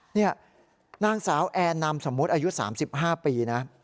นี่นางสาวแอนนามสมมุติอายุ๓๕ปีนะ